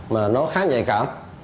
mà nó khá nhạy cảm